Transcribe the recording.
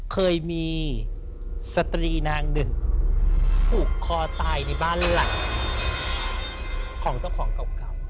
เคยมีสตรีนางหนึ่งผูกคอตายในบ้านหลังของเจ้าของเก่า